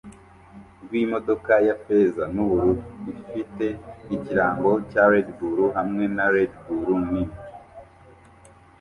rw'imodoka ya feza n'ubururu ifite ikirango cya Redbull hamwe na Redbull nini